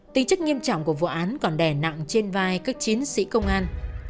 tính chất nghiêm trọng của vụ án còn đẻ nặng trên vai các chiến sĩ công an